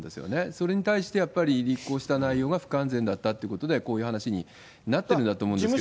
それに対して、やっぱり履行した内容が不完全だったということで、こういう話になってるんだと思うんですけれども。